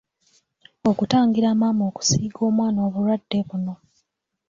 Okutangira maama okusiiga omwana obulwadde buno.